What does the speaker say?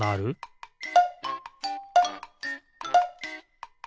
ピッ！